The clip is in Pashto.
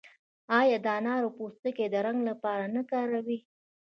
آیا د انارو پوستکي د رنګ لپاره نه کاروي؟